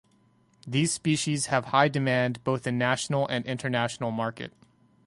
These species have high demand both in National and International market.